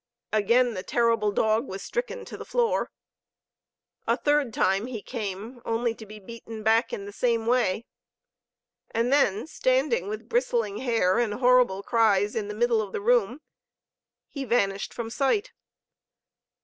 Again the terrible dog was stricken to the floor. A third time he came, only to be beaten back in the same way. And then, standing with bristling hair and horrible cries in the middle of the room, he vanished from sight.